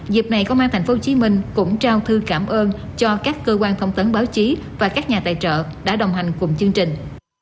dịp này công an tp hcm cũng trao thư cảm ơn cho các cơ quan thông tấn báo chí và các nhà tài trợ đã đồng hành cùng chương trình